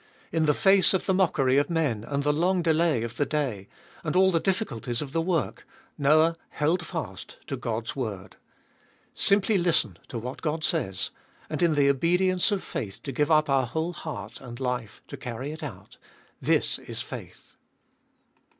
In the face of the mockery of men, and the long delay of the day, and all the difficulties of the work, Noah held fast to God's word. Simply to listen to what God says, and in the obedience of faith to give up our whole heart and life to carry it out : this is faith.